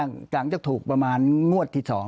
หลังจากถูกประมาณงวดที่๒